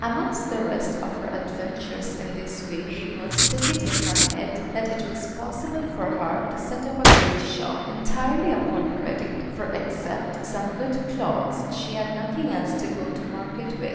Amongst the rest of her adventures in this way she once took it in her head that it was possible for her to set up a great shop, entirely upon credit, for except some good clothes she had nothing else to go to market with.